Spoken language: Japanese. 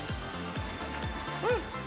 うん！